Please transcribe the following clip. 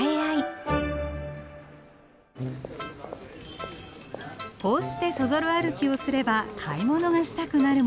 こうしてそぞろ歩きをすれば買い物がしたくなるもの。